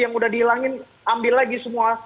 yang udah dihilangin ambil lagi semua